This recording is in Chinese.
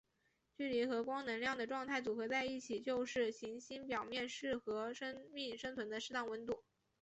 距离和光能量的状态组合在一起就是行星表面适合生命生存的适当温度。